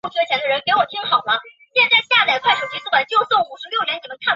这天是不列颠空战的转折点。